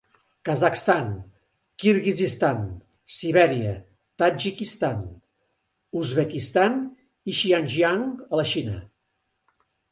Kazakhstan, Kirguizistan, Sibèria, Tadjikistan, Uzbekistan, i Xinjiang, a la Xina.